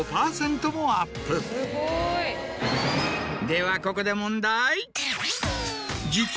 ではここで問題。